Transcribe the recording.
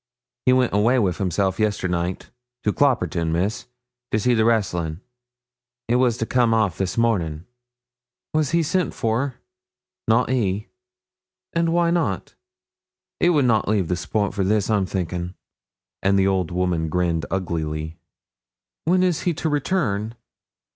'He went away wi' himself yesternight, to Cloperton, Miss, to see the wrestling; it was to come off this morning.' 'Was he sent for?' 'Not he.' 'And why not?' 'He would na' leave the sport for this, I'm thinking,' and the old woman grinned uglily. 'When is he to return?'